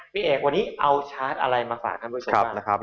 พี่เอกวันนี้เอาชาร์จอะไรมาฝากทั้งหมดทั้งหมด